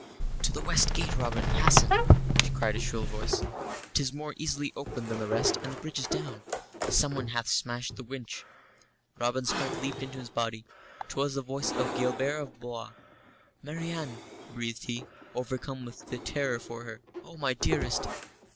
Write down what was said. "To the west gate, Robin, hasten," cried a shrill voice. "'Tis more easily opened than the rest, and the bridge is down someone hath smashed the winch." Robin's heart leaped in his body 'twas the voice of Gilbert of Blois! "Marian," breathed he, overcome with terror for her, "oh, my dearest!"